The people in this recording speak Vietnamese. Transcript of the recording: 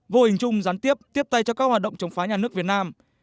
vô hình chung gián tiếp tiếp tay cho các hoạt động chống phá nhà nước việt nam